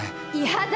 嫌だ。